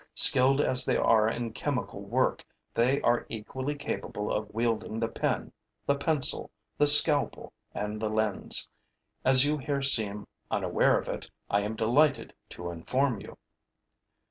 Skilled as they are in chemical work, they are equally capable of wielding the pen, the pencil, the scalpel and the lens. As you here seem unaware of it, I am delighted to inform you.'